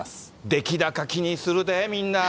出来高気にするで、みんな。